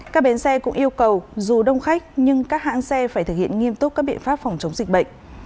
các bến xe cũng yêu cầu dù đông khách nhưng các hãng xe phải thực hiện nghiêm túc các biện pháp phòng chống dịch bệnh